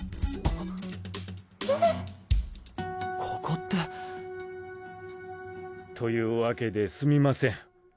ここって。というわけですみません。